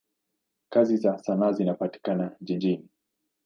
Kazi za sanaa zinapatikana jijini.